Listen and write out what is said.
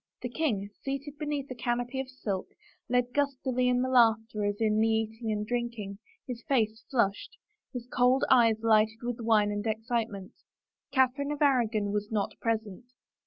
The king, seated beneath a canopy of silk, led gustily in the laughter as in the eating and drinking, his face flushed, his cold eyes lighted with wine and excitement. Catherine of Aragon was not present.